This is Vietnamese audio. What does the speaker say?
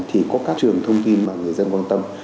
thì có các trường thông tin mà người dân quan tâm